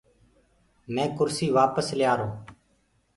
مينٚ ڪُرسي وآپس ڪريآرو۔